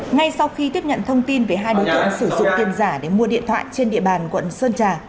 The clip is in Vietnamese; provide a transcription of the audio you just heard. ngay sau khi tiếp nhận thông tin về hai đối tượng sử dụng tiền giả để mua điện thoại trên địa bàn quận sơn trà